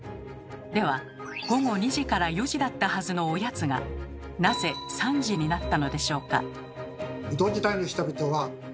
では午後２時から４時だったはずのおやつがなぜ３時になったのでしょうか？